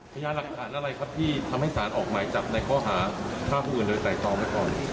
พยายามหลักฐานอะไรครับที่ทำให้สารออกหมายจับในข้อหาฆ่าผู้อื่นโดยไตรตองไว้ก่อน